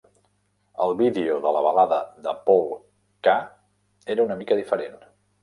El vídeo de la Balada de Paul K era una mica diferent.